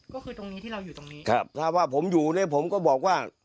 ก็คือตรงนี้ที่เราอยู่ตรงนี้ครับถ้าว่าผมอยู่เนี่ยผมก็บอกว่า